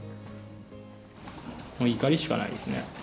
もう怒りしかないですね。